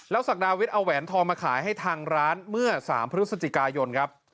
ศักดาวิทย์เอาแหวนทองมาขายให้ทางร้านเมื่อ๓พฤศจิกายนครับ